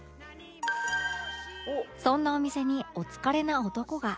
そんなお店にお疲れな男が